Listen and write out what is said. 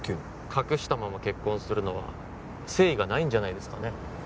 隠したまま結婚するのは誠意がないんじゃないですかね？